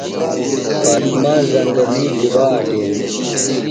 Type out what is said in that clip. فاطمہ زنگلیۡ گُبا اٹینیۡ؟